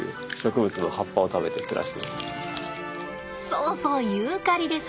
そうそうユーカリです。